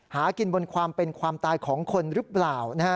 หากินบนความเป็นความตายของคนหรือเปล่า